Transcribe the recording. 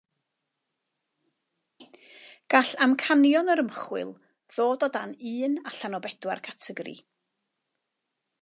Gall amcanion yr ymchwil ddod o dan un allan o bedwar categori